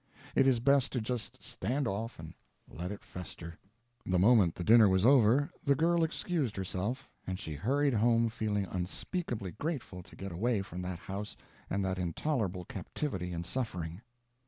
It is best to just stand off and let it fester. The moment the dinner was over the girl excused herself, and she hurried home feeling unspeakably grateful to get away from that house and that intolerable captivity and suffering.